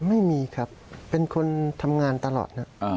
ไม่มีครับเป็นคนทำงานตลอดครับ